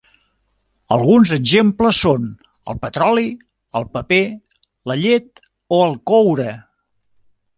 Alguns exemples són el petroli, el paper, la llet o el coure.